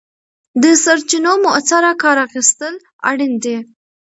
د سرچینو مؤثره کار اخیستل اړین دي.